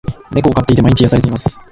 猫を飼っていて、毎日癒されています。